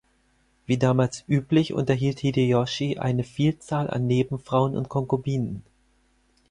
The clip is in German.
Wie damals üblich unterhielt Hideyoshi eine Vielzahl an Nebenfrauen und Konkubinen.